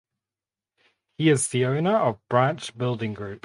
He is the owner of Branch Building Group.